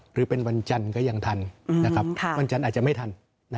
หรือเป็นวันจันทร์ก็ยังทันวันจันทร์อาจจะไม่ทัน